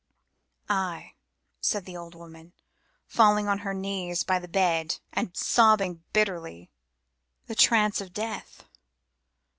"Ay," said the old woman, falling on her knees by the bed and sobbing bitterly, "the trance of death.